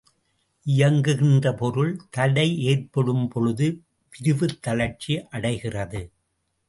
இயங்குகின்ற பொருள் தடை ஏற்படும்பொழுது விரைவுத்தளர்ச்சி அடைகிறது.